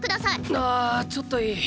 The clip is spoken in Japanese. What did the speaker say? あーちょっといい？